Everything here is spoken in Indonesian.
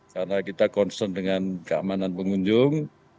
karena kita concern dengan keamanan pengunjung